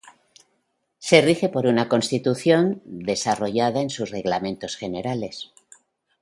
Se rige por una Constitución, desarrollada en sus Reglamentos Generales.